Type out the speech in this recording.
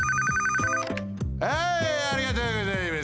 ☎あいありがとうございます。